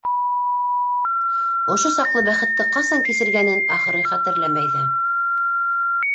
Ошо саҡлы бәхетте ҡасан кисергәнен, ахыры, хәтерләмәй ҙә...